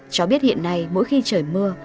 cho biết hiện nay mỗi khi trời mưa